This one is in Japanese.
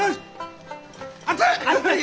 熱い！